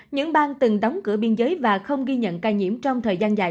những bang từng đóng cửa biên giới và không ghi nhận ca nhiễm trong thời gian dài